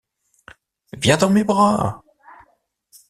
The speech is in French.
Viens dans mes bras !